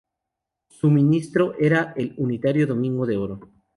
Su ministro era el unitario Domingo de Oro.